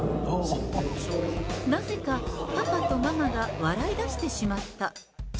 なぜかパパとママが笑いだしてしまった。